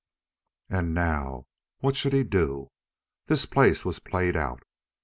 And now, what should he do? This place was played out.